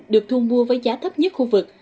được thu mua với giá thấp nhất khu vực